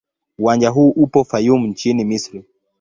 Uwanja huu upo Fayoum nchini Misri.